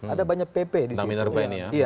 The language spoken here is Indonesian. ada banyak pp di sini